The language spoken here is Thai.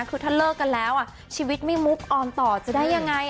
คือถ้าเลิกกันแล้วชีวิตไม่มุกออนต่อจะได้ยังไง